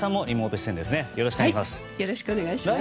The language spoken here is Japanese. よろしくお願いします。